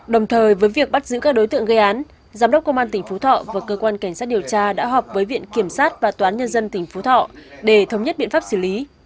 đồng thời với việc bắt giữ các đối tượng gây án giám đốc công an tỉnh phú thọ và cơ quan cảnh sát điều tra đã họp với viện kiểm sát và toán nhân dân tỉnh phú thọ để thống nhất biện pháp xử lý